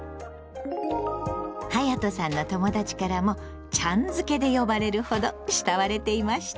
はやとさんの友だちからも「ちゃん」付けで呼ばれるほど慕われていました。